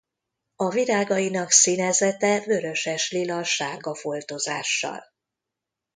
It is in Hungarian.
A virágainak színezete vöröses-lila sárga foltozással.